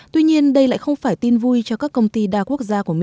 tuy nhiên đây lại không phải tin vui cho các công ty đa quốc gia của mỹ